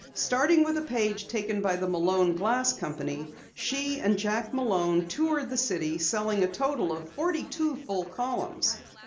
Starting with a page taken by the Malone Glass Company, she and Jack Malone toured the city, selling a total of forty two full columns.